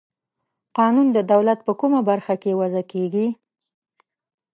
قانون د دولت په کومه برخه کې وضع کیږي؟